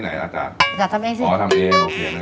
ดูอย่าทำเองหมดป่ะนะ